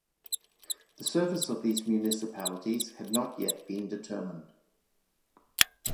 The surface of these municipalities had not yet been determined.